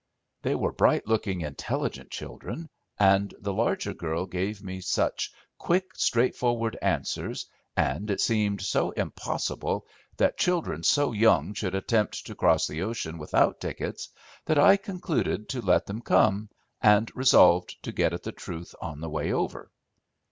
They were bright looking, intelligent children, and the larger girl gave me such quick, straightforward answers, and it seemed so impossible that children so young should attempt to cross the ocean without tickets that I concluded to let them come, and resolved to get at the truth on the way over.